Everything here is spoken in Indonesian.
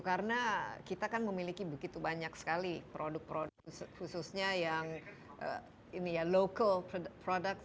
karena kita kan memiliki begitu banyak sekali produk produk khususnya yang ini ya local product